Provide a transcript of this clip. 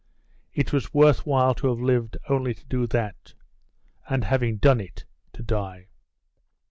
It was worth while to have lived only to do that; and having done it, to die.